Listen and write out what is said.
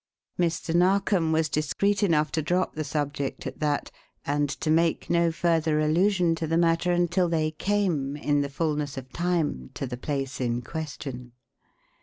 Mr. Narkom was discreet enough to drop the subject at that and to make no further allusion to the matter until they came, in the fulness of time, to the place in question.